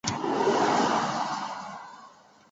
在塞塔提腊王时成为老挝首都。